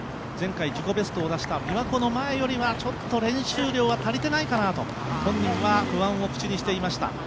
前回自己ベストを出したびわ湖の前よりはちょっと練習量が足りていないかなと本人は不安を口にしていました。